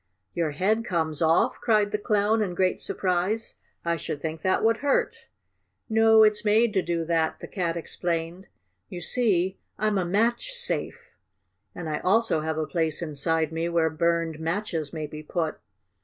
"Your head comes off!" cried the Clown in great surprise. "I should think that would hurt!" "No, it's made to do that," the Cat explained. "You see I'm a match safe, and I also have a place inside me where burned matches may be put.